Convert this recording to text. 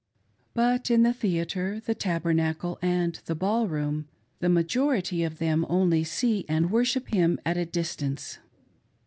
But in the theatre, the Taber nacle, and the ball room, the majority of them only see and worship him at a distance.